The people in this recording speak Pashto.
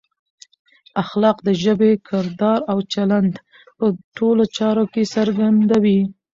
اخلاق د ژبې، کردار او چلند په ټولو چارو کې څرګندوي.